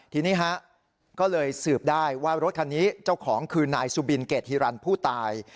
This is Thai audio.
ทีนี้ฮะก็เลยสืบได้ว่ารถคันนี้เจ้าของคือนายสุบินเกรดฮิรันผู้ตาย